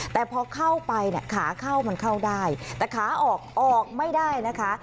แต่พอเข้าไปเนี่ยขาเข้ามันเข้าได้แต่ขาออกออกไม่ได้นะคะ